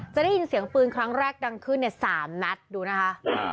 จะได้ยินเสียงปืนครั้งแรกดังขึ้นเนี่ย๓นัดดูนะคะ